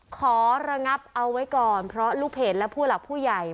ขอระงับเอาไว้ก่อนเพราะลูกเพจและผู้หลักผู้ใหญ่